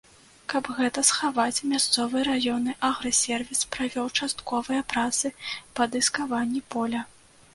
Каб гэта схаваць, мясцовы раённы аграсервіс правёў частковыя працы па дыскаванні поля.